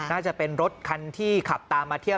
น่าจะเป็นรถคันที่ขับตามมาเที่ยว